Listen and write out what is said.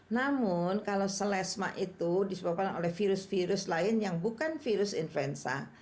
namun kalau selesma itu disebabkan oleh virus virus lain yang bukan virus influenza